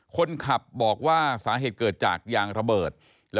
คนขับบอกว่าสาเหตุเกิดจากยางระเบิด